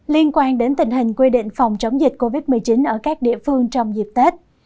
liên quan đến tình hình quy định phòng chống dịch covid một mươi chín ở các địa phương trong dịp tết